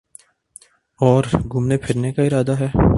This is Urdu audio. اور گھومنے پھرنے کا ارادہ ہے